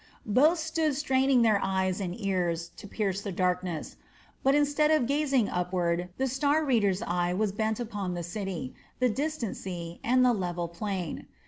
Both stood straining their eyes and ears to pierce the darkness; but instead of gazing upward the star reader's eye was bent upon the city, the distant sea, and the level plain.